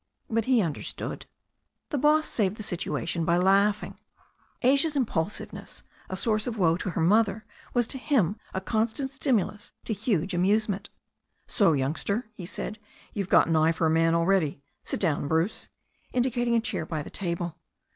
But he understood. The boss saved the situation by laughing. Asia's impul siveness, a source of woe to her mother, was to him a con stant stimulus to huge amusement. "So, youngster," he said, "you've got an eye for a man already. Sit down, Bruce," indicating a chair by the table.